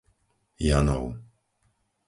Janov